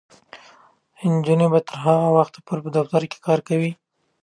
نجونې به تر هغه وخته پورې په دفترونو کې کار کوي.